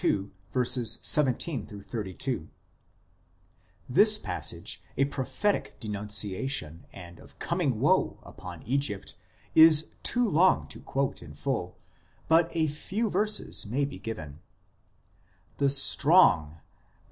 17 32 : this passage, a prophetic denuncia tion and of coming woe upon Egypt, is too long to quote in full, but a few verses may be given :" The strong (lit.